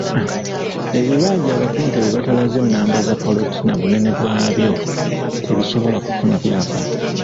Ebibanja abapunta bye batalaze nnamba za ppoloti na bunene bwabyo tebisobola kufuna byapa.